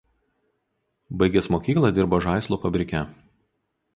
Baigęs mokyklą dirbo žaislų fabrike.